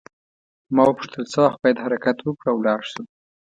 ما وپوښتل څه وخت باید حرکت وکړو او ولاړ شو.